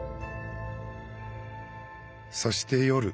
そして夜。